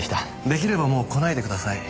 出来ればもう来ないでください。